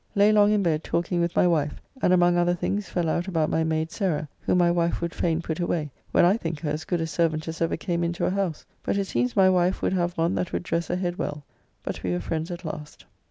Lay long in bed talking with my wife, and among other things fell out about my maid Sarah, whom my wife would fain put away, when I think her as good a servant as ever came into a house, but it seems my wife would have one that would dress a head well, but we were friends at last.